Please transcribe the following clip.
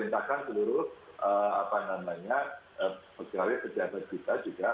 dan saya terintakan seluruh pegawai pejabat kita juga